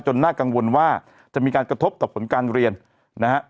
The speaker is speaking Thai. น่ากังวลว่าจะมีการกระทบต่อผลการเรียนนะฮะ